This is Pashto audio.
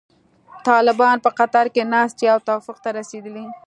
طالبان په قطر کې ناست دي او توافق ته رسیدلي.